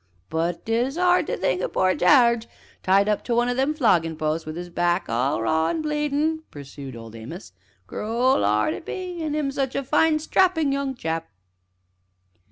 "But 'tis 'ard to think o' pore Jarge tied up to one o' them floggin' posts, wi' 'is back all raw an' bleedin!" pursued Old Amos; "crool 'ard it be, an' 'im such a fine, strappin' young chap."